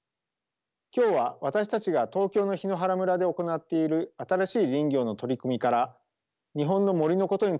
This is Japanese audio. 今日は私たちが東京の檜原村で行っている新しい林業の取り組みから日本の森のことについて考えてみます。